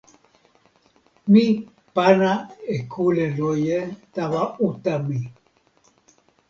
mi pana e kule loje tawa uta mi.